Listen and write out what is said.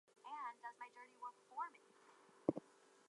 The narrative consisted of the relationship between Jack L fans.